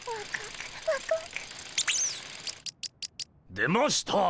出ました！